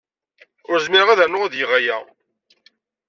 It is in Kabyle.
Ur zmireɣ ad rnuɣ ad geɣ aya.